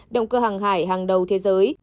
động cơ hàng hải hàng đầu thế giới